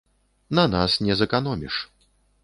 На нас не зэканоміш.